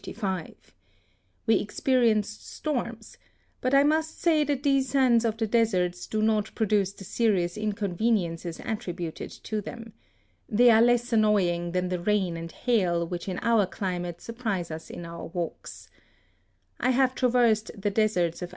We experienced storms, but I must say that these sands of the deserts do not produce the serious inconveniences attributed to them. They are less annoying than the rain and hail which in our climate surprise us in our walks. I have traversed the deserts of THE SUEZ CANAL.